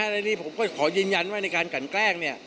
และนี่ผมก็ขอยืนยันว่าในการกันแกล้ง